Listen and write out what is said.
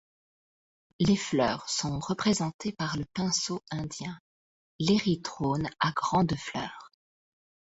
Les fleurs sont représentées par le Pinceau indien, l’Erythrone à grandes fleurs.